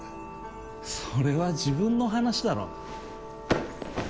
それは自分の話だろ？